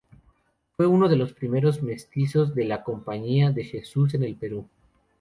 Fue uno de los primeros mestizos de la Compañía de Jesús en el Perú.